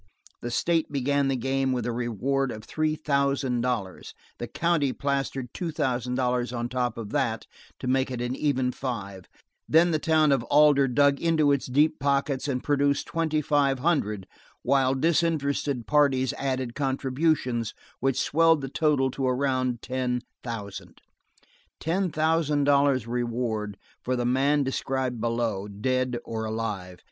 The state began the game with a reward of three thousand dollars; the county plastered two thousand dollars on top of that to make it an even five: then the town of Alder dug into its deep pockets and produced twenty five hundred, while disinterested parties added contributions which swelled the total to a round ten thousand. Ten thousand dollars reward for the man described below, dead or alive.